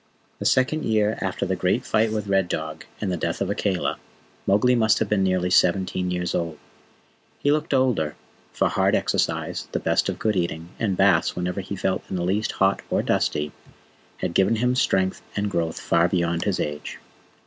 The second year after the great fight with Red Dog and the death of Akela, Mowgli must have been nearly seventeen years old. He looked older, for hard exercise, the best of good eating, and baths whenever he felt in the least hot or dusty, had given him strength and growth far beyond his age.